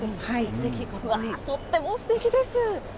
すてき、とってもすてきです。